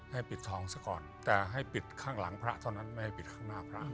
ให้ปิดทองซะก่อนแต่ให้ปิดข้างหลังพระเท่านั้นไม่ให้ปิดข้างหน้าพระ